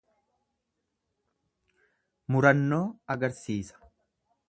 Murannoo agarsiisa.